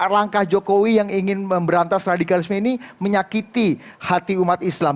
langkah jokowi yang ingin memberantas radikalisme ini menyakiti hati umat islam